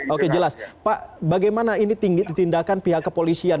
oke jelas pak bagaimana ini ditindakan pihak kepolisian